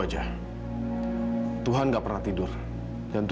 ya sudah kencang sekali